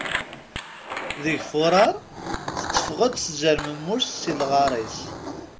Deg furar, tetteffeɣ-d tzermemmuyt si lɣar-is.